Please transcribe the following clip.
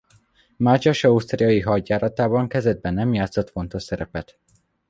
Mátyás ausztriai hadjáratában kezdetben nem játszott fontos szerepet.